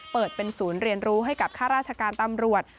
เปิดเป็นศูนย์เรียนรู้ให้กับข้าราชการตำรวจ